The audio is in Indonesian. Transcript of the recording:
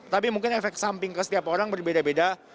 tapi mungkin efek samping ke setiap orang berbeda beda